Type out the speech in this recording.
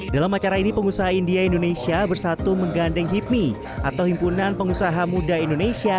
dalam acara ini pengusaha india indonesia bersatu menggandeng hipmi atau himpunan pengusaha muda indonesia